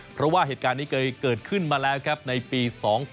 เพราะว่าเหตุการณ์นี้เคยเกิดขึ้นมาแล้วครับในปี๒๕๖